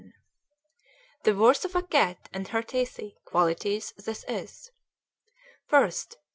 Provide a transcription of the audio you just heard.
The worth of a cat and her teithi (qualities) this is: 1st.